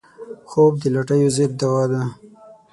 خوب د لټیو ضد دوا ده